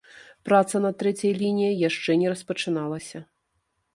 Праца над трэцяй лініяй яшчэ не распачыналася.